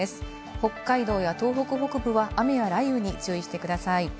北海道や東北北部は雨や雷雨に注意してください。